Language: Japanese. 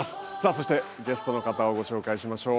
そしてゲストの方をご紹介しましょう。